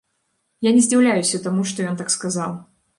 Я не здзіўляюся таму, што ён так сказаў.